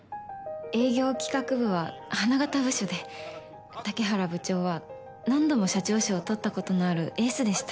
営業企画部は花形部署で竹原部長は何度も社長賞を取ったことのあるエースでした。